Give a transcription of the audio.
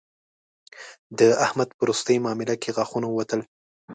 د احمد په روستۍ مامله کې غاښونه ووتل